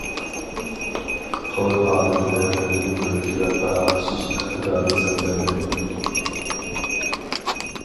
تور ھالىتىدە فىلىم كۆرۈش ۋە پاراڭلىشىش ئىقتىدارى سەپلەنگەن.